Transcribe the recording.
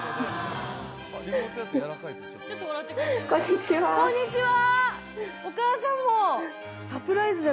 こんにちはこんにちは！